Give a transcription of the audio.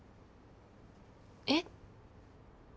えっ？